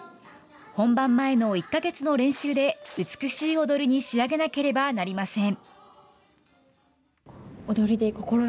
本番前の１か月の練習で美しい踊りに仕上げなければなりません。